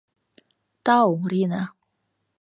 Тау, Рина